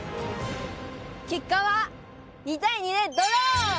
けっかは２対２でドロー！